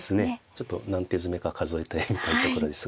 ちょっと何手詰めか数えてみたいところですが。